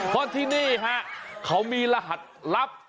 เพราะที่นี่ฮะเขามีรหัสลับ